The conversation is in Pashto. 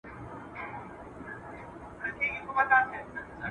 ځینې خلک د چیخوف کیسې ډېرې اغېزمنې بولي.